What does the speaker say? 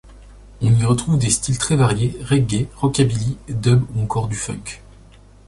On y retrouve des styles très variés reggae, rockabilly, dub ou encore du funk.